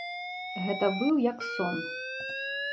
Гэта быў як сон.